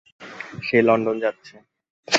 সে লন্ডনে যাচ্ছেন।